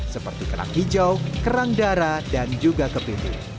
seperti kerang hijau kerang darah dan juga kepiting